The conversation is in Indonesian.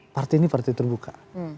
partai ini partai terbuka